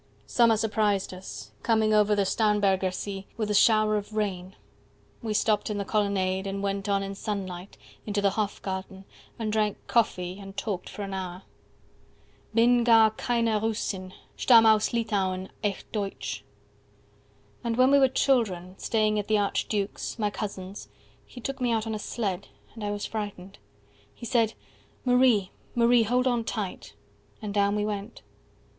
Summer surprised us, coming over the Starnbergersee With a shower of rain; we stopped in the colonnade, And went on in sunlight, into the Hofgarten, 10 And drank coffee, and talked for an hour. Bin gar keine Russin, stamm' aus Litauen, echt deutsch. And when we were children, staying at the archduke's, My cousin's, he took me out on a sled, And I was frightened. He said, Marie, 15 Marie, hold on tight. And down we went.